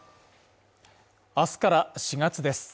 明日から４月です。